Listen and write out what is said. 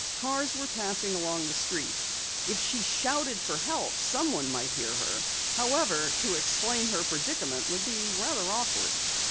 Cars were passing along the street. If she shouted for help someone might hear her. However, to explain her predicament would be rather awkward.